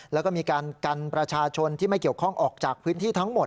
แล้วก็มีการกันประชาชนที่ไม่เกี่ยวข้องออกจากพื้นที่ทั้งหมด